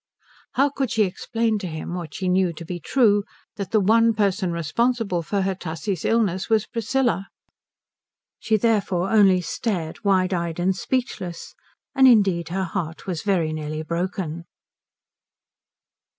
How could she explain to him what she knew to be true, that the one person responsible for Tussie's illness was Priscilla? She therefore only stared, wide eyed and speechless; and indeed her heart was very nearly broken.